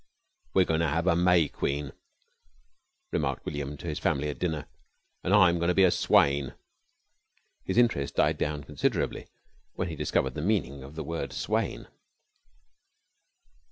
"We're goin' to have a May Queen," remarked William to his family at dinner, "an' I'm goin' to be a swain." His interest died down considerably when he discovered the meaning of the word swain.